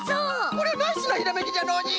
これナイスなひらめきじゃノージー。